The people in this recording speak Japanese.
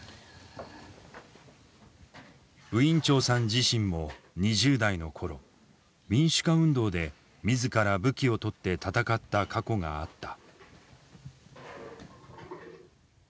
自身も２０代の頃民主化運動で自ら武器を取って戦った過去があった。